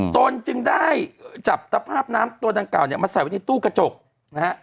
ตนจึงได้จับตภาพน้ำตัวดังเก่าเนี่ยมาใส่ไว้ในตู้กระจกนะฮะ